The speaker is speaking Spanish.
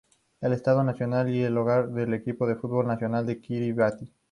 Es el estadio nacional y el hogar del equipo de fútbol nacional de Kiribati.